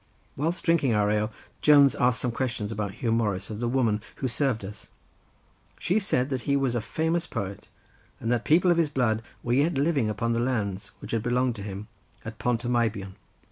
Whilst drinking our ale Jones asked some questions about Huw Morris of the woman who served us; she said that he was a famous poet, and that people of his blood were yet living upon the lands which had belonged to him at Pont y Meibion.